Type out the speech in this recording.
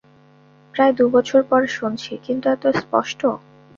প্রায় দুবছর পর শুনছি, কিন্তু এত স্পষ্ট!